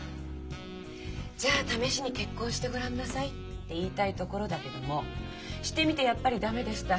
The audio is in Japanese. じゃあ試しに結婚してごらんなさいって言いたいところだけどもしてみて「やっぱり駄目でした。